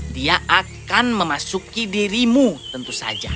dia akan memasuki dirimu tentu saja